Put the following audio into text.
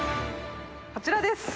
こちらです。